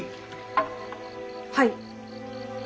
はい。